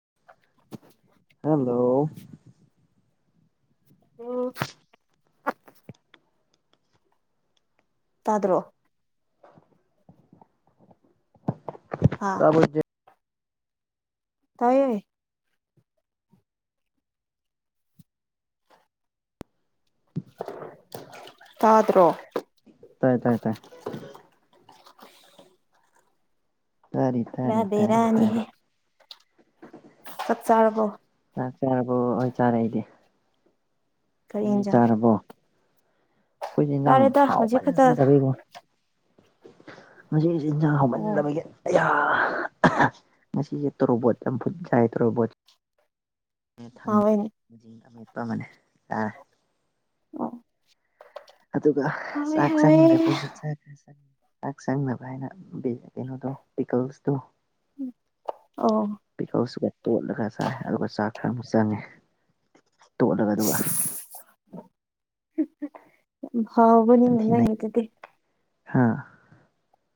[inaudible] hello ꯎꯝ ꯇꯥꯗ꯭ꯔꯣ ꯇꯕ ꯇꯥꯏꯦ ꯇꯥꯗ꯭ꯔꯣ ꯇꯥꯏ ꯇꯥꯏ ꯇꯥꯏ ꯇꯔꯤ ꯇꯔꯤ ꯄꯨꯔꯥ ꯇꯔꯤ ꯇꯥꯔ ꯕꯦꯔꯥꯅꯤꯍꯦ ꯆꯠ ꯆꯥꯔꯔꯕꯣ ꯆꯥꯛꯆꯔꯕꯨ ꯑꯣꯏꯣꯏ ꯆꯥꯔꯦ ꯏꯗꯤ ꯀꯔꯤ ꯅꯪꯒꯤ ꯏꯟꯖꯥꯡ ꯆꯥꯔꯕꯣ ꯑꯩꯈꯣꯏꯁꯦ ꯏꯟꯥꯡ ꯆꯥꯔꯦꯗ ꯍꯧꯖꯤꯛ ꯈꯛꯇ ꯍꯥꯎꯃꯟꯗꯕꯩꯉꯣ ꯃꯁꯤ ꯏꯟꯖꯥꯡ ꯑꯣ ꯍꯧꯃꯟꯅꯕꯒꯤ ꯑꯌꯥ ꯉꯁꯦ ꯇꯣꯔꯣꯕꯣꯠ ꯌꯥꯝ ꯐꯨꯠ ꯆꯥꯏ ꯇꯣꯔꯣꯕꯣꯠ ꯍꯥꯎꯋꯦꯅꯦ ꯊꯪꯤꯡ ꯑꯃꯦꯠꯄ ꯑꯃꯅꯦ ꯑ ꯑꯣ ꯑꯗꯨꯒ ꯍꯥꯎꯋꯦ ꯆꯥꯛ ꯍꯥꯎꯋꯦ ꯆꯪꯗꯕꯒꯤ ꯆ ꯈꯔ ꯆꯪꯉꯤ ꯍꯥꯛ ꯆꯪꯅꯕ ꯍꯥꯏꯅ ꯀꯩꯅꯣꯗꯣ ꯄꯤꯀꯜꯁꯇꯣ ꯑꯣ ꯄꯤ ꯀꯥꯎꯁꯨ ꯀ ꯇꯣꯠꯂꯒ ꯆꯥꯏ ꯑꯗꯨꯒ ꯆꯥꯛ ꯈꯔꯃꯨꯛ ꯆꯪꯉꯦ ꯇꯣꯠꯂꯒ ꯑꯗꯨꯒ ꯍꯥꯎꯕꯅꯤ ꯃꯟꯅ ꯌꯦꯇꯗꯤ ꯍꯥꯥ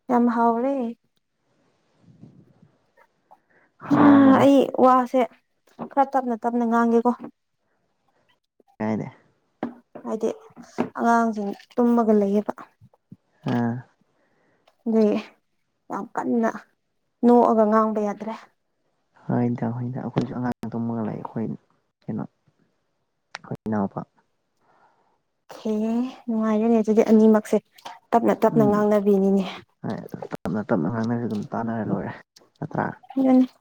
ꯌꯥꯝ ꯍꯥꯎꯔꯦ ꯎ ꯍꯥꯎꯕꯅꯦ ꯑꯩ ꯋꯥꯁꯦ ꯈꯔ ꯇꯞꯅ ꯇꯞꯅ ꯉꯥꯡꯒꯦꯀꯣ ꯀꯥꯏꯅꯦ ꯍꯥꯏꯗꯤ ꯑꯉꯥꯡꯁꯤꯡ ꯇꯨꯝꯃꯒ ꯂꯩꯌꯦꯕ ꯑꯝ ꯑ ꯌꯥꯝ ꯀꯟꯅ ꯅꯣꯛꯑꯒ ꯉꯥꯡꯕ ꯌꯥꯗ꯭ꯔꯦ ꯑꯩꯈꯣꯏꯅ ꯑꯩꯈꯣꯏꯁꯨ ꯑꯉꯥꯡ ꯇꯝꯃꯒ ꯂꯥꯛꯑ ꯑꯩꯈꯣꯏ ꯀꯩꯅꯣ ꯍꯅꯥꯄꯥ ꯑꯦ ꯅꯨꯡꯉꯥꯏꯔꯅꯦ ꯑꯗꯨꯗꯤ ꯑꯅꯤꯃꯛꯁꯦ ꯇꯞꯅ ꯇꯞꯅ ꯎꯝ ꯉꯥꯡꯅꯕꯤꯅꯤꯉ ꯑꯅꯁꯨ ꯑꯗꯨꯝ ꯇꯥꯟꯅꯔ ꯂꯣꯏꯔꯦ ꯅꯠꯇ꯭ꯔꯥ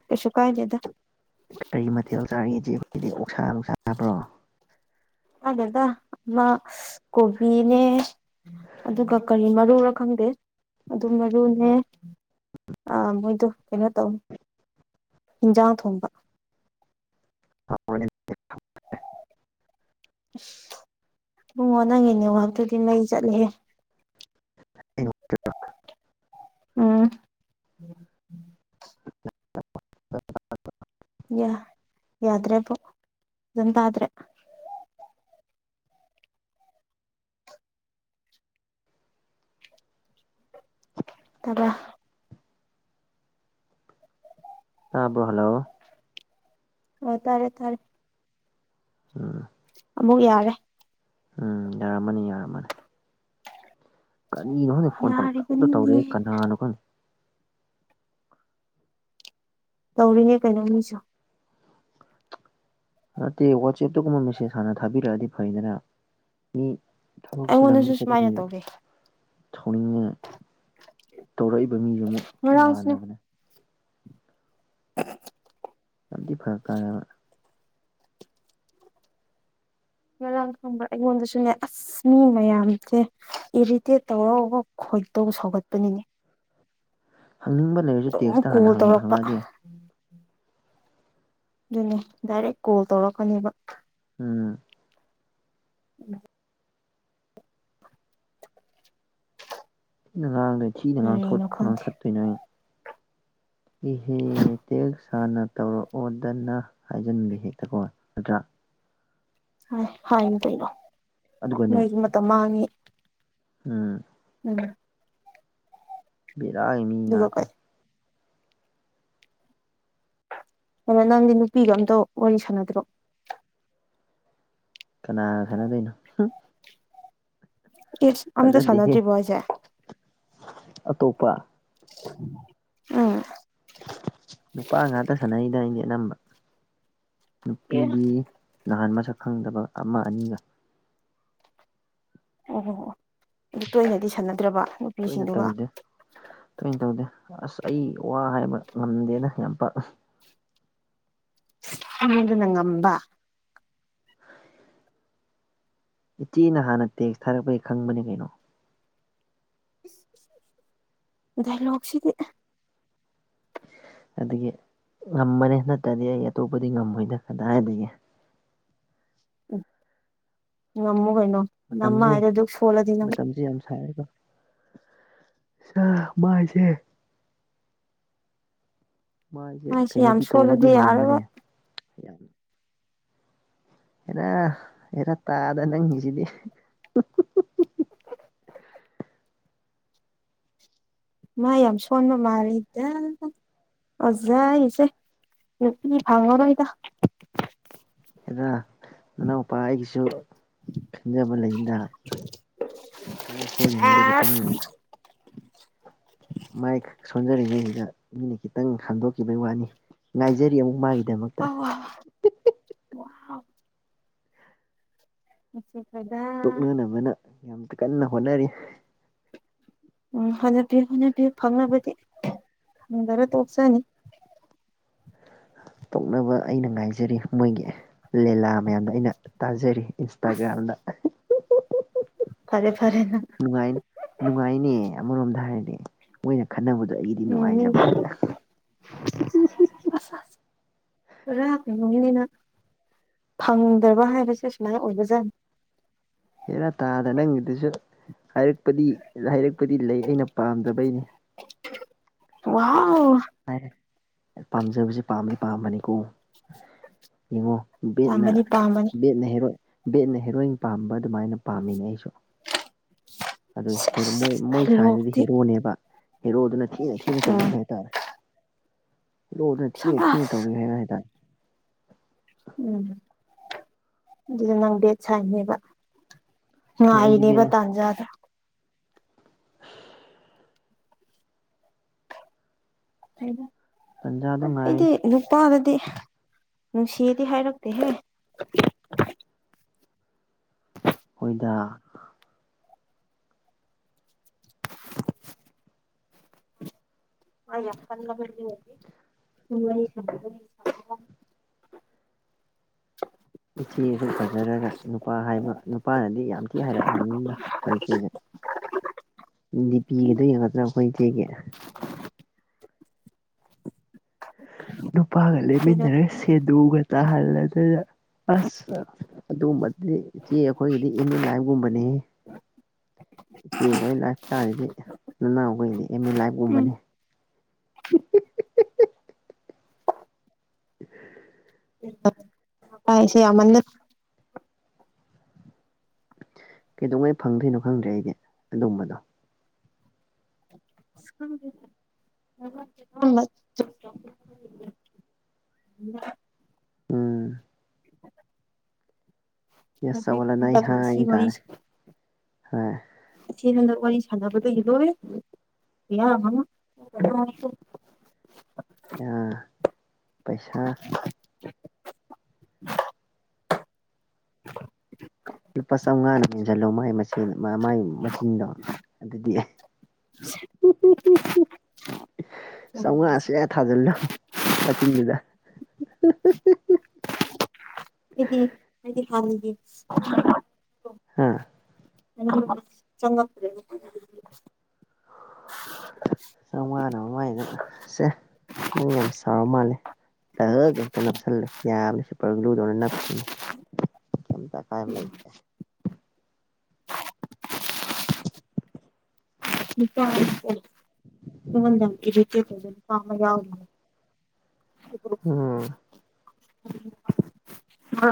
ꯀꯁ ꯀꯥꯏꯅꯦꯗ ꯀꯔꯤ ꯃꯊꯦꯜ ꯆꯥꯔꯤꯦ ꯏꯆꯦ ꯑꯩꯣꯏꯗꯤ ꯑꯣꯛꯁꯥ ꯂ ꯆꯥꯕ꯭ꯔꯣ ꯑꯒꯗ ꯑꯃ ꯀꯣꯕꯤꯅꯦ ꯑꯗꯨꯒ ꯀꯔꯤ ꯃꯔꯨꯔ ꯈꯪꯗꯦ ꯑꯗꯨꯝ ꯃꯔꯨꯅꯦ ꯑ ꯃꯣꯏꯗꯣ ꯀꯩꯅꯣ ꯇꯧ ꯍꯟꯖꯥꯡ ꯊꯣꯡꯕ [unintelligible] ꯅꯣꯡꯉꯣ ꯅꯪꯒꯤꯅꯦ ꯉꯇꯨꯗꯤ ꯃꯩ ꯆꯠꯂꯦ ꯏ ꯇ ꯎꯝ ꯌꯥ ꯌꯥꯗ꯭ꯔꯦꯕꯣ ꯑꯣꯟ ꯇꯗ꯭ꯔꯦ ꯇꯕ ꯑꯕ꯭ꯔꯣ ꯍꯜꯂꯣ ꯑ ꯇꯥꯔꯦ ꯊꯥꯔꯦ ꯎꯝ ꯑꯃꯨꯛ ꯌꯥꯔꯦ ꯎꯝ ꯌꯥꯔꯝꯃꯅꯤ ꯌꯥꯔꯝꯃꯅꯤ ꯀꯔꯤꯅꯣ ꯈꯪꯗꯦ ꯐꯣꯟ ꯄꯪꯇꯧꯅ ꯇꯧꯔꯦ ꯌꯥꯔꯤꯕꯅꯤꯅꯦ ꯀꯅꯥꯅꯣ ꯈꯪꯗꯦ ꯇꯧꯔꯤꯅꯦ ꯀꯩꯅꯣ ꯃꯤꯁꯨ ꯅꯠꯇꯦ ꯋꯥꯆꯦꯞꯇꯒꯨꯝꯕ ꯃꯦꯁꯦꯖ ꯍꯥꯟꯅ ꯊꯥꯕꯤꯔꯛꯑꯗꯤ ꯐꯩꯗꯅ ꯃꯤ ꯇꯕꯛ ꯑꯩꯉꯣꯟꯗꯁꯨ ꯁꯤꯖꯤꯂꯂꯝꯅꯤ ꯀ ꯁꯨꯃꯥꯏꯅ ꯇꯧꯔꯦ ꯊꯥꯎꯅꯤꯡꯅ ꯇꯧꯔꯛꯏꯕ ꯃꯤꯗꯨ ꯑꯃꯨꯛ ꯉꯔꯥꯡꯁꯨꯅꯦ ꯏꯃꯥꯟꯅꯕꯅꯦ [unintelligible] ꯌꯥꯝ ꯊꯤ ꯐꯔꯛ ꯇꯥꯏꯌꯦꯕ ꯉꯔꯥꯡ ꯈꯪꯕ ꯑꯩꯉꯣꯟꯗꯁꯨꯅꯦ ꯑꯁ ꯃꯤ ꯃꯌꯥꯝꯁꯦ ꯏꯔꯤꯇꯦꯠ ꯇꯧꯔꯒ ꯍꯣꯏꯛꯇꯕꯨ ꯁꯧꯒꯠꯄꯅꯤꯅꯤ ꯍꯪꯅꯤꯡꯕ ꯂꯩꯔꯁꯨ ꯑꯗꯨꯝ ꯇꯦꯛꯁꯇ ꯍꯥꯟꯅ ꯀꯣꯜ ꯇꯧꯔꯛꯄ ꯍꯪꯉꯛꯑꯗꯤ ꯑꯗꯨꯅꯦ ꯗꯥꯏꯔꯦꯛ ꯀꯣꯜ ꯇꯧꯔꯛꯀꯅꯦꯕ ꯎꯝ ꯎꯝ ꯊꯤꯅ ꯉꯥꯡꯗꯣꯏ ꯊꯤꯅ ꯉꯥꯡꯊ ꯀꯔꯤꯅꯣ ꯈꯪꯗꯦ ꯉꯥꯡꯊꯠꯇꯣꯏ ꯅꯣ ꯑꯩꯅ ꯏꯍꯦ ꯇꯦꯛ ꯁꯥꯅ ꯇꯧꯔꯛꯑꯣꯗꯅ ꯍꯥꯏꯖꯅꯤꯡꯒꯦ ꯍꯦꯛꯇ ꯀꯣ ꯅꯗ꯭ꯔꯥ ꯍꯥꯏꯅ ꯀꯩꯅꯣ ꯑꯗꯨꯒꯅꯦ ꯅꯣꯏꯒꯤ ꯃꯇꯝ ꯃꯥꯡꯉꯦ ꯎꯝ ꯎ ꯕꯔ ꯃꯤ ꯌꯥꯗꯅ ꯀꯩ ꯀꯩꯅꯣ ꯅꯪꯗꯤ ꯅꯨꯄꯤꯒ ꯑꯝꯇ ꯋꯥꯔꯤ ꯁꯥꯟꯅꯗ꯭ꯔꯣ ꯀꯅꯥ ꯈꯅꯗꯣꯏꯩꯅꯣ ꯑꯝꯗ ꯁꯅꯥꯗ꯭ꯔꯤꯕꯣꯏꯁꯦ ꯑꯇꯣꯞꯄ ꯎꯝ ꯅꯨꯄꯥ ꯉꯥꯛꯇ ꯁꯥꯟꯅꯩꯅ ꯑꯗꯤ ꯑꯅꯝꯕ ꯑꯦ ꯅꯨꯄꯤꯗꯤ ꯅꯍꯥꯟ ꯃꯁꯛ ꯈꯪꯗꯕ ꯑꯃ ꯑꯅꯤꯒ ꯑꯣ ꯑꯣꯣ ꯑꯣ ꯑꯗꯨ ꯇꯣꯏꯅꯗꯤ ꯁꯥꯟꯅꯗ꯭ꯔꯕ ꯇꯣꯏꯅ ꯅꯨꯄꯤꯁꯤꯡꯗꯨꯒ ꯇꯧꯗꯦ ꯇꯣꯏꯅ ꯇꯧꯗꯦ ꯑꯁ ꯑꯩ ꯋꯥ ꯍꯥꯏꯕ ꯉꯝꯗꯦꯅ ꯌꯥꯝ ꯄ ꯗ ꯅꯪꯉꯝꯕ ꯏꯆꯦꯅ ꯍꯥꯟꯅ ꯇꯦꯛꯁ ꯊꯥꯔꯛꯄꯒꯤ ꯈꯪꯕꯅꯤ ꯀꯩꯅꯣ ꯗꯥꯏꯂꯣꯛꯁꯤꯗꯤ ꯑꯗꯨꯗꯒꯤ ꯉꯃꯅꯦ ꯅꯠꯇ꯭ꯔꯗꯤ ꯑꯩ ꯑꯇꯣꯞꯄꯗꯤ ꯉꯝꯃꯣꯏꯗ ꯀꯗꯥꯏꯗꯒꯤ ꯉꯃ ꯩꯅꯣ ꯅꯃ ꯃꯇꯝꯁꯦ ꯍꯥꯏꯗ ꯑꯗꯨ ꯐꯣꯂꯗꯤꯅ ꯃꯇꯝꯁꯦ ꯆ ꯃꯥꯥꯏꯁꯦ ꯃꯥꯏꯁꯦ ꯌꯥꯝ ꯀꯩꯅꯣꯗꯤ ꯁꯣꯜꯂꯗꯤ ꯇꯧꯕꯗꯤ ꯃꯥꯟꯕꯅꯦ ꯌꯥꯔꯔꯣꯏ ꯍꯦꯔ ꯍꯦꯔ ꯇꯥꯗ ꯅꯪꯉꯤꯁꯤꯗꯤ ꯃꯥ ꯌꯥꯝ ꯁꯣꯟꯕ ꯃꯥꯔꯤꯗ ꯑꯣꯖꯥꯏꯁꯦ ꯔꯄꯤ ꯐꯥꯉꯅ ꯏꯗ ꯍꯗ ꯅꯅꯥꯎꯎꯄꯥ ꯑꯩꯒꯤꯁꯨ ꯈꯟꯖꯕ ꯂꯩꯅꯤꯗ ꯃꯥꯏ ꯑꯁ ꯁꯣꯜꯂꯤꯉꯩꯗ ꯈꯤꯇꯪ ꯃꯥꯏ ꯁꯣꯟꯖꯔꯤꯉꯩꯁꯤꯗ ꯃꯤꯅ ꯈꯤꯇꯪ ꯈꯟꯗꯣꯛꯈꯤꯕꯩ ꯋꯥꯅꯤ ꯉꯥꯏꯖꯔꯤ ꯑꯃꯨꯛ ꯃꯥꯒꯤꯗꯃꯛꯇ ꯋꯥꯎ ꯋꯥꯎ ꯋꯥꯎ ꯑ ꯇꯣꯛꯅꯅꯕꯅ ꯌꯥꯝ ꯀꯟꯅ ꯍꯣꯠꯅꯔꯤ ꯎꯝ ꯍꯣꯠꯅꯕꯤꯌꯨ ꯍꯣꯠꯅꯕꯤꯌꯨ ꯐꯪꯅꯕꯗꯤ ꯗꯔꯦ ꯇꯧꯞꯁꯅꯤ ꯇꯧꯅꯕ ꯑꯩꯅ ꯉꯥꯏꯖꯔꯤ ꯃꯣꯏꯒꯤ ꯂꯤꯂꯥ ꯃꯌꯥꯝꯗ ꯑꯩꯅ ꯇꯥꯖꯔꯤ ꯏꯟꯁꯇꯥꯒ꯭ꯔꯥꯝꯗ ꯐꯔ‌ꯦ ꯅꯨꯡꯉꯥꯏ ꯅꯨꯡꯉꯥꯏꯅꯦ ꯑꯃꯔꯣꯝꯗ ꯍꯥꯏꯔꯗꯤ ꯃꯣꯏꯅ ꯈꯟꯅꯕꯗꯣ ꯑꯩꯒꯤꯗꯤ ꯎꯝ ꯅꯨꯡꯉꯥꯏꯖꯕ ꯃꯤꯗꯤ [unintelligible] ꯔ ꯀꯩꯅ‌ꯣꯅꯤꯅ [unintelligible] ꯐꯪꯗ꯭ꯔꯕ ꯍꯥꯏꯕꯁꯦ ꯁꯨꯃꯥꯏ ꯑꯣꯏꯕꯖꯥꯠꯅꯤ ꯍꯦꯔꯥ ꯇꯥꯗ ꯅꯪꯒꯤꯗꯨꯁꯨ ꯍꯥꯏꯔꯛꯄꯗꯤ ꯍꯥꯏꯔꯛꯄꯗꯤ ꯂꯩ ꯑꯩꯅ ꯄꯥꯝꯗꯕꯩꯅꯤ ꯋꯥꯎ ꯍꯥꯏꯔꯦ ꯄꯥꯝꯖꯕꯁꯦ ꯄꯥꯝꯕꯗꯤ ꯄꯥꯝꯕꯅꯤꯀꯣ [unintelligible] ꯌꯦꯡꯉꯣ ꯕꯦꯠꯅ ꯄꯥꯝꯕꯅꯤ ꯄꯥꯝꯕꯅꯤ ꯕꯦꯠꯅ ꯍ‌ꯦꯔꯣꯏ ꯕꯦꯠꯅ ꯍꯦꯔꯣꯏꯟ ꯄꯥꯝꯕ ꯑꯗꯨꯃꯥꯏꯅ ꯄꯥꯝꯃꯤꯅꯦ ꯑꯩꯁꯨ ꯑꯗꯨ ꯍ‌ꯦꯔ‌ꯣ ꯁꯦꯁ ꯃꯣꯏ ꯃꯣꯏ ꯁꯥꯏꯅꯗꯤ ꯗꯥꯏꯂꯣꯛꯇꯤ ꯍꯦꯔꯣꯅꯦꯕ ꯍꯦꯔꯣꯗꯨꯅ ꯊꯤꯅ ꯊꯤꯅ ꯎꯝ ꯇꯧꯕꯤꯕ ꯍꯥꯏꯇꯥꯔꯦ ꯍ‌ꯦꯔ‌ꯣꯗꯨꯅ ꯊꯤꯅ ꯊꯤꯅ ꯁꯕꯥꯁ ꯇꯧꯕꯤꯕ ꯍꯥꯏ ꯍꯥꯏꯇꯥꯔꯦ ꯎꯝ ꯑꯗꯨꯗ ꯅꯪ ꯕꯦꯠ ꯁꯥꯏꯅꯦꯕ ꯍꯣꯏ ꯑꯩꯗꯤ ꯉꯤꯏꯔꯤꯅꯦꯕ ꯕꯦꯠꯅ ꯇꯟꯖꯥꯗ‌ꯣ ꯇꯟꯖꯥꯗꯣ ꯉꯥꯏꯔꯤ ꯑꯩꯗꯤ ꯅꯨꯄꯥꯗ ꯗꯤ ꯅꯨꯡꯁꯤꯗꯤ ꯍꯥꯏꯔꯛꯇꯦꯍꯦ ꯍ‌ꯣꯏꯗ ꯃꯥ ꯌꯥꯝ ꯀꯜꯂꯕꯅꯤ ꯍꯧꯖꯤꯛ [unintelligible] ꯋꯥꯔꯤ ꯁꯥꯟꯅꯕꯒꯤ [unintelligible] ꯏꯆꯦ ꯑꯁꯨꯛ ꯐꯖꯔꯒ ꯅꯨꯄꯥ ꯍꯥꯏꯕ ꯅꯨꯄꯥꯅꯗꯤ ꯌꯥꯝ ꯊꯤ ꯍꯥꯏꯔꯛꯑꯝꯅꯤꯅ ꯑꯩꯈꯣꯏ ꯏꯆꯦꯁꯦ [unintelligible] ꯗꯤꯄꯤꯒꯗꯣ ꯌꯦꯡꯉ‌ꯣꯗꯅ ꯑꯩꯈꯣꯏ ꯏꯆꯦꯒꯤ ꯅꯨꯄꯥꯒ ꯂ‌ꯦꯞꯃꯤꯟꯅꯔꯒ ꯁꯦꯗ‌ꯣꯒ ꯇꯥꯍꯜꯂꯗꯅ ꯑꯁ ꯑꯗꯨꯒꯨꯝꯕꯗꯤ ꯏꯆꯦ ꯑꯩꯈꯣꯏꯒꯤꯗꯤ ꯑꯦꯝ ꯏꯟ ꯂꯥꯏꯐꯒꯨꯝꯕꯅꯤ ꯏꯆꯦ ꯈ‌ꯣꯏ ꯂꯥꯏꯞ ꯏꯁꯇꯥꯏꯜ ꯗꯤ ꯅꯅꯥꯎ ꯍ‌ꯣꯏꯗꯤ ꯑꯦꯝ ꯏꯟ ꯂꯥꯏꯐ ꯎꯝ ꯀꯨꯝꯕꯅꯦ [unintelligible] ꯇꯥꯏꯁꯦ ꯌꯥꯝꯃꯟꯗ ꯀꯩꯗꯧꯉꯩ ꯐꯪꯗꯣꯏꯅꯣ ꯈꯪꯗ꯭ꯔꯦ ꯑꯩꯗꯤ ꯑꯗꯨꯝꯕꯗꯣ ꯎꯝ ꯌꯦꯁ ꯍꯧꯖꯤꯛ ꯆꯂꯋꯥꯅꯥꯏ ꯍꯟꯗꯛꯅ ꯍꯥꯏ ꯁꯤ ꯋꯥꯔꯤ ꯇꯥꯔꯦ ꯍꯥꯏ ꯏꯆ‌ꯦ ꯅꯪꯒ ꯋꯥꯔꯤ ꯁꯥꯟꯅꯕꯗꯒꯤ ꯂ‌ꯣꯏꯔ‌ꯦ ꯌꯥꯝ [unintelligible] ꯑ ꯄꯩꯁꯥ ꯂꯨꯄꯥ ꯆꯥꯝꯃꯉꯥꯅ ꯃꯦꯟꯁꯤꯜꯂꯣ ꯃꯥꯥꯏ ꯃꯆ‌ꯦ ꯃꯥꯏ ꯃꯆꯤꯟꯗꯣ ꯑꯗꯨꯗꯤ [unintelligible] ꯑꯩꯗꯤ ꯆꯧꯉꯥꯥꯁꯤꯅ ꯊꯥꯖꯤꯜꯂꯣ ꯃꯆꯤꯟꯗꯨꯗ [unintelligible] ꯑꯩꯗꯤ ꯑꯩꯗꯤ ꯍꯥꯟꯅꯒꯤ ꯍꯥꯥ [unintelligible] [unintelligible] ꯆꯧꯉꯥꯅ ꯃꯃꯥꯏꯗ ꯁꯦ ꯅꯪ ꯌꯥꯝ ꯁꯥꯎꯔ ꯃꯥꯜꯂꯦ ꯇꯧꯔꯒ ꯍ‌ꯦꯛꯇ ꯅꯞꯁꯜꯂ‌ꯣ ꯌꯥꯕꯅ‌ꯦ ꯁꯨꯄꯔ ꯒꯂꯨꯗꯨꯃꯥꯏꯅ ꯅꯞꯈꯤꯅꯤ ꯀꯩꯝꯇ ꯑꯀꯥꯏꯕ ꯂꯩꯥꯇ‌ꯦ [unintelligible] ꯅꯨꯄꯥ [unintelligible] ꯏ ꯅ ꯏꯔꯇ ꯄꯖꯜ ꯄꯥꯃ ꯌꯥꯎꯣ ꯎꯝ ꯑ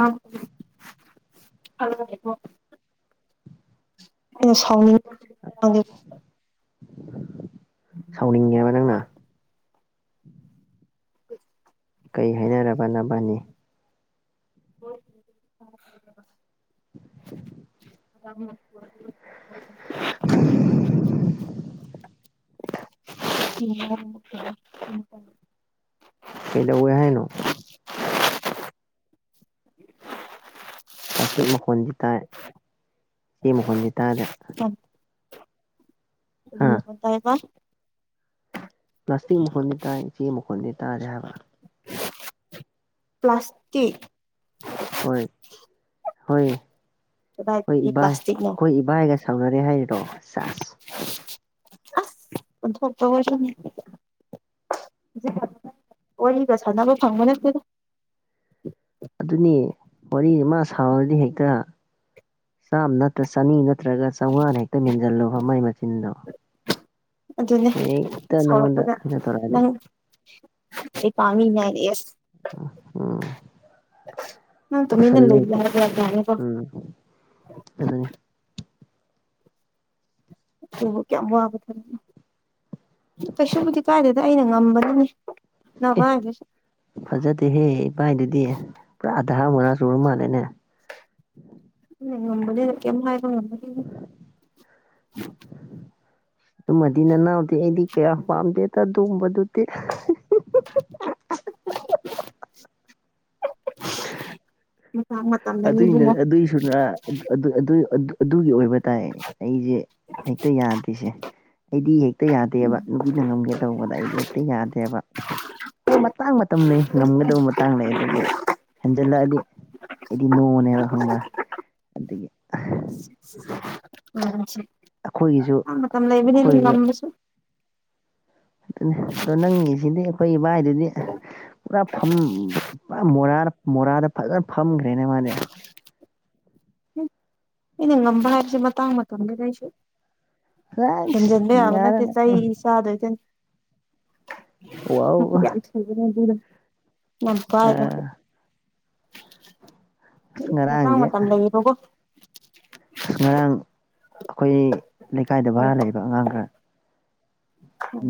ꯍꯂꯣ ꯑꯩꯅ ꯁꯥꯎꯅꯤꯡ ꯁꯥꯎꯅꯤꯡꯉꯦ ꯍꯥꯏꯕ ꯅꯪꯅ ꯀꯩ ꯍꯥꯏꯅꯔꯕꯅꯕꯅꯤ [unintelligible] [unintelligible] ꯎꯝ ꯀꯩꯗ ꯎ ꯌꯥ ꯍꯥꯏꯅ ꯄ꯭ꯂꯥꯁꯇꯤꯛ ꯃꯈꯣꯟꯜꯗꯤ ꯇꯥꯏ ꯏꯆꯦ ꯃꯈꯣꯟꯜꯗꯤ ꯇꯥꯔꯦ ꯇꯥꯏꯕ ꯄ꯭ꯂꯥꯁꯇꯤꯛ ꯃꯈꯣꯟꯜꯗꯤ ꯇꯥꯏ ꯏꯆꯦ ꯃꯈꯣꯟꯜꯗꯤ ꯇꯥꯔꯦ ꯍꯥꯏꯕꯥ ꯄ꯭ꯂꯥꯁꯇꯛ ꯍꯣꯏ ꯍꯣꯏ ꯍꯣꯏ ꯀꯗꯥꯏꯗꯒꯤ ꯏꯕꯥ ꯄ꯭ꯂꯥꯁꯇꯤꯛꯅꯣ ꯑꯩꯈꯣꯏ ꯏꯕꯥꯏꯒ ꯁꯥꯎꯅꯔꯦ ꯍꯥꯏꯔꯤꯔꯣ ꯆꯥꯁ ꯊꯄꯕꯁ ꯋꯥꯔꯤꯒ ꯁꯥꯟꯅꯕ ꯐꯪꯕ ꯅꯠꯇꯗ ꯑꯗꯨꯅꯤ ꯋꯥꯔꯤ ꯑꯃ ꯁꯥꯎꯔꯗꯤ ꯍꯦꯛꯇ ꯆꯥꯝ ꯅꯠꯇ꯭ꯔ ꯆꯅꯤ ꯅꯠꯇ꯭ꯔꯒ ꯆꯥꯝꯃꯉꯥꯅ ꯍꯦꯛꯇ ꯃꯦꯟꯖꯜꯂꯨꯕ ꯃꯩ ꯃꯆꯤꯟꯗꯣ ꯑꯗꯨꯅꯦ ꯍꯦꯛꯇ ꯅꯪꯉꯣꯟꯗ ꯁꯥꯎꯔꯛꯄꯗ ꯀꯩꯅꯣ ꯇꯧꯔꯛꯑꯗꯤ ꯅꯪ ꯑꯩ ꯄꯥꯝꯃꯤꯅꯦ ꯍꯥꯏꯅ ꯑꯦꯁ ꯅꯪ ꯑ ꯇꯨꯃꯤꯟꯅ ꯂꯩꯒꯦ ꯁꯂꯦꯇ ꯍꯥꯏꯕ ꯌꯥꯗꯦꯅꯦꯀꯣ ꯎꯝ ꯑ ꯑꯗꯨꯕꯨ ꯀꯌꯥꯝ ꯋꯥꯕ ꯊ ꯀꯩꯁꯨꯕꯨꯗꯤ ꯀꯥꯏꯗꯗ ꯑꯩꯅ ꯉꯝꯕꯗꯨꯅꯤ ꯅꯦ ꯑꯦ ꯐꯖꯗꯦꯍꯦ ꯏꯚꯥꯏꯗꯨꯗꯤ ꯄꯨꯔꯥ ꯑꯙꯥ ꯑꯃ ꯃꯉꯥ ꯆꯨꯔ ꯃꯥꯜꯂꯦꯅꯦ ꯎꯝ ꯃꯝꯕꯗꯤ ꯀꯦꯥꯏꯣ ꯉꯅꯤ ꯑꯗꯨꯃꯗꯤ ꯅꯅꯥꯎꯗꯤ ꯑꯩꯗꯤ ꯀꯌꯥ ꯄꯥꯝꯗꯦꯗ ꯑꯗꯨꯒꯣꯡꯕꯗꯨ [inaudible] [inaudible] ꯃꯇꯝꯅꯅꯤ ꯑꯗꯨ ꯏꯕꯨꯡꯉꯣ ꯑꯗꯨꯏꯁꯨ ꯑꯗꯨꯒꯤ ꯑꯣꯏꯕ ꯍꯥꯏ ꯇꯥꯏ ꯑꯩꯁꯦ ꯍꯦꯛꯇ ꯌꯥꯗ꯭ꯔꯤꯁꯦ ꯑꯩꯗꯤ ꯍ ꯍꯦꯛꯇ ꯌꯥꯗꯦꯕ ꯅꯨꯄꯤꯅ ꯉꯝꯒꯦ ꯇꯧꯕꯗ ꯑꯩꯗꯤ ꯍꯦꯛꯇ ꯌꯥꯗ꯭ꯔꯦꯕ ꯍꯣꯏ ꯃꯇꯥꯡ ꯃꯇꯝ ꯂꯩ ꯉꯝꯒꯗꯕ ꯃꯇꯥꯡ ꯂꯩ ꯑꯗꯨꯕꯨ ꯍꯟꯖꯜꯂꯛꯑꯗꯤ ꯅꯣꯅꯦꯕ ꯈꯪꯕ꯭ꯔꯥ ꯑꯗꯒꯤ ꯎꯝ ꯑꯩꯈꯣꯏꯒꯤꯁꯨ ꯑ ꯇ ꯂꯩꯕꯗꯤꯗꯤ ꯂꯝꯕꯁꯨ ꯑꯗꯨ ꯑꯣ ꯅꯪꯉꯦꯁꯤꯗꯤ ꯐꯣꯏꯏꯕ ꯍꯥꯏꯗꯨꯗꯤ ꯄꯨꯔꯥ ꯐꯝ ꯄꯨꯔꯥ ꯃꯣꯔꯥꯔ ꯃꯣꯔꯥꯗ ꯐꯖꯅ ꯐꯝꯈ꯭ꯔꯦꯅꯦ ꯃꯥꯅꯦ ꯑꯩꯅ ꯉꯝꯕ ꯍꯥꯏꯕꯁꯦ ꯃꯇꯥꯡ ꯃꯇꯝꯒꯤ ꯂꯩꯁꯨ ꯑꯁ ꯍꯖꯗꯦ ꯍꯥꯏꯕꯅ ꯆ ꯌꯥꯔꯦꯅꯦ ꯆꯍꯤ ꯁꯥꯗ ꯋꯥꯎ ꯃꯈꯈꯗꯤ ꯌꯥꯅ ꯑ ꯉꯝꯀꯥꯏꯒ ꯑꯁ ꯃꯇꯥꯡ ꯉꯔꯥꯡꯗꯤ ꯃꯇꯝ ꯂꯩꯌꯦꯕꯀꯣ ꯑꯁ ꯉꯔꯥꯡ ꯑꯩꯈꯣꯏ ꯂꯩꯀꯥꯏꯗ ꯎꯝ ꯕꯔꯥ ꯂꯩꯕ ꯑꯉꯥꯡ ꯈꯔ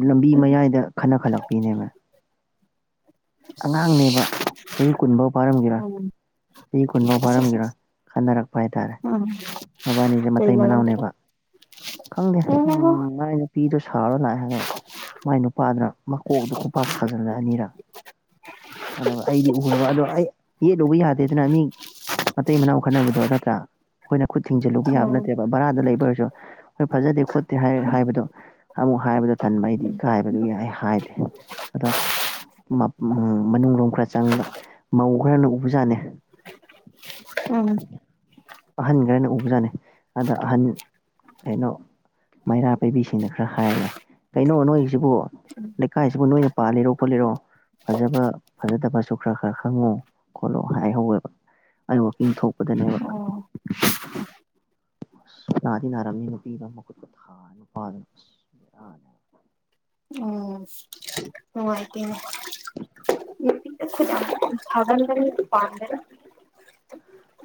ꯂꯝꯕꯤ ꯃꯌꯥꯏꯗ ꯈꯟꯅꯈꯠꯂꯛꯄꯤꯅꯦꯕ ꯑꯉꯥꯡꯅꯦꯕ ꯆꯍꯤ ꯀꯨꯟꯐꯧ ꯄꯥꯏꯔꯝꯒꯦꯔꯥ ꯁꯤ ꯈꯨꯟꯕꯥꯎ ꯐꯔꯝꯒꯦꯔꯥ ꯈꯟꯅꯔꯛꯄ ꯄ ꯍꯥꯏꯇꯥꯔꯦ ꯎꯝ ꯃꯕꯥꯅꯤꯁꯦ ꯀꯩ ꯃꯇꯩ ꯃꯔꯝꯗꯅꯣ ꯃꯅꯥꯎꯅꯦꯕ ꯈꯪꯗꯦ ꯎꯝ ꯎꯝꯩꯅ ꯄꯤꯗ ꯁꯥꯔ ꯂꯥꯛꯑꯦ ꯍꯥꯏꯅ ꯃꯥꯏ ꯅꯨꯄꯥꯗꯨꯅ ꯃꯀꯣꯛꯇ ꯈꯨꯄꯥꯛꯥꯛ ꯊꯥꯖꯤꯜꯂꯛꯑꯅꯤꯔ ꯌꯦꯠꯂꯨꯕ ꯌꯥꯗꯦꯗꯅ ꯃꯤ ꯃꯇꯩ ꯃꯅꯥꯎ ꯈꯠꯅꯕꯗꯣ ꯅꯠꯇ꯭ꯔꯥ ꯑꯩꯈꯣꯏꯅ ꯈꯨꯠ ꯊꯤꯡꯖꯤꯜꯂꯨꯕ ꯎꯝ ꯌꯥꯕ ꯎꯝ ꯅꯠꯇꯦꯕ ꯕꯔꯥꯗ ꯂꯩꯕ ꯑꯣꯏꯔꯁꯨ ꯍꯣꯏ ꯐꯖꯗꯦ ꯈꯣꯠꯇꯦ ꯍꯥꯏꯕꯗꯣ ꯑꯃꯨꯛ ꯍꯥꯏꯕꯗ ꯑꯗꯨ ꯇꯟꯕ ꯑꯩꯗꯤ ꯏꯀꯥꯏꯕꯗꯨ ꯌꯥꯏ ꯑꯩ ꯍꯥꯏꯗꯦ ꯑꯗꯣ ꯃꯅꯨꯡ ꯂꯣꯝ ꯈꯔ ꯆꯪ ꯃꯧ ꯈ꯭ꯔꯅ ꯎꯕꯖꯥꯠꯅꯦ ꯑꯍꯟꯈꯦꯅ ꯎꯕꯖꯥꯠꯅꯤ ꯑꯗ ꯑꯍꯟ ꯀꯩꯅꯣ ꯃꯩꯔꯥ ꯄꯥꯏꯕꯤꯁꯤꯡꯅ ꯈꯔ ꯍꯥꯏꯔꯂꯦ ꯀꯩꯅꯣ ꯅꯣꯏꯁꯤꯕꯨ ꯂꯩꯀꯥꯏꯁꯤꯕꯨ ꯅꯣꯏꯅ ꯄꯥꯜꯂꯤꯔꯣ ꯈꯣꯠꯂꯤꯔꯣ ꯐꯖꯕ ꯐꯖꯗꯕꯁꯨ ꯈꯔ ꯈꯔ ꯈꯪꯉꯣ ꯈꯣꯠꯂꯣ ꯍꯥꯏꯍꯧꯋꯦꯕ ꯑꯩ ꯋꯥꯋꯥꯛꯀꯤꯡ ꯊꯣꯛꯄꯗꯅꯦꯕ [inaudible] ꯅꯗꯤ ꯅꯔꯝꯅꯤ ꯅꯨꯄꯤꯤꯗ ꯊꯥ ꯅꯨꯄꯥ [inaudible] ꯎꯝ ꯍꯉꯥꯏꯇꯦꯅꯦ ꯃ ꯒꯟꯗ ꯄꯥꯥꯟꯗ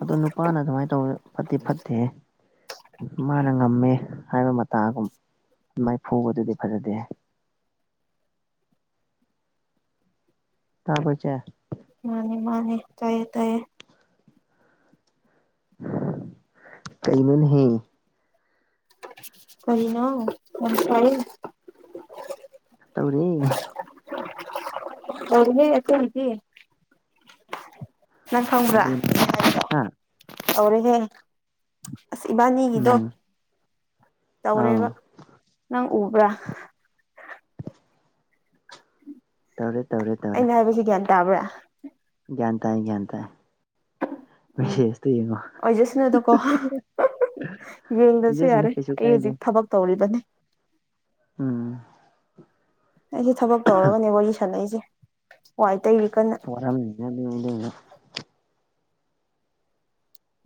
ꯑꯗꯨ ꯅꯨꯄꯥꯅ ꯑꯗꯨꯃꯥꯏꯅ ꯇꯧ ꯐꯠꯇꯤ ꯐꯠꯇꯦ ꯃꯥꯅ ꯉꯝꯃꯦ ꯍꯥꯏꯕ ꯃꯇꯥꯒꯨꯝ ꯃꯥꯏ ꯐꯨꯕꯗꯨꯗꯤ ꯐꯖꯗꯦ ꯇꯥ ꯀꯣꯏ ꯆꯦ ꯃꯥꯅꯦ ꯃꯥꯅꯦ ꯇꯌꯦ ꯇꯌꯦ ꯀꯩꯩꯅ ꯍ ꯀꯔꯤꯅ ꯑꯣꯁ ꯇꯧꯔꯤ ꯍꯅꯤꯁꯗꯤ ꯅꯪ ꯈꯪꯕ꯭ꯔꯥ ꯑꯗꯨꯅꯦ ꯍꯥ ꯇꯧꯔꯦꯍꯦ ꯑꯁ ꯏꯕꯥꯅꯤꯒꯤꯗꯣ ꯎꯝ ꯑꯧ ꯇꯧꯔꯦꯕ ꯅꯪ ꯎꯕ꯭ꯔꯥ ꯇꯥꯔꯦ ꯑꯩꯅ ꯍꯥꯏꯕꯁꯤ ꯒ꯭ꯌꯥꯟ ꯇꯥꯕ꯭ꯔꯥ ꯥꯟꯇ ꯭ꯥꯟꯇ ꯁꯦꯁ ꯑꯣꯖꯁꯅꯗ ꯀ ꯌꯦꯡꯗꯁꯨ ꯍꯥꯏꯖꯁꯅꯨ ꯌꯥꯔꯦ ꯀꯩꯁꯨ ꯑꯩ ꯀꯥꯏꯗꯦ ꯍꯧꯖꯤꯛ ꯊꯕꯛ ꯇꯧꯔꯤꯕꯅꯤ ꯎꯝ ꯑꯩꯁꯦ ꯊꯕꯛ ꯇꯧꯔꯒꯅꯦ ꯋꯥꯔꯤ ꯁꯥꯟꯂꯛꯏꯁꯦ ꯁꯣꯔꯥ ꯃꯅ ꯂꯩꯗ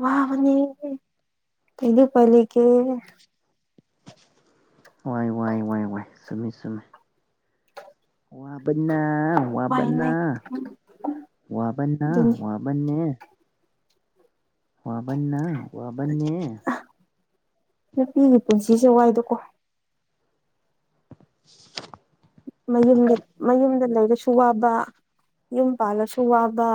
ꯋꯥ ꯃꯅꯤ ꯀꯩꯩꯅ ꯄꯂ ꯀ ꯋꯥꯏ ꯋꯥꯏ ꯋꯥꯏ ꯋꯥꯏ ꯁꯨꯝꯃꯤ ꯁꯨꯝꯃꯤ ꯋꯥꯕꯟꯅ ꯋꯥꯏ ꯋꯥꯕꯟꯅ ꯂꯥꯏ ꯋꯥꯕꯅ ꯑꯗꯨꯅꯤ ꯋꯥꯕꯟꯦ ꯋꯥꯕꯟ ꯋꯥꯕꯟ ꯅꯨꯄꯤꯒꯤ ꯄꯨꯟꯁꯤꯁꯦ ꯋꯥꯏꯗꯀꯣ [unintelligible] ꯃꯌꯨꯝꯗ ꯃꯌꯨꯝꯗ ꯂꯩꯔꯁꯨ ꯋꯥꯕ ꯌꯨꯝ ꯄꯥꯜꯂꯁꯨ ꯋꯥꯕ